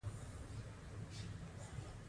کۀ ضرورت وي نو ټول وجود دې تاو کړے شي -